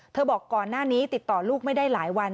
บอกก่อนหน้านี้ติดต่อลูกไม่ได้หลายวัน